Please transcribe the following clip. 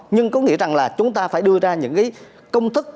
nhưng có nghĩa rằng là chúng ta phải đưa ra những cái công thức